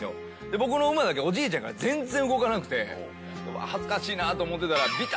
僕の馬だけおじいちゃんやから全然動かなくてうわ恥ずかしいなと思ってたら。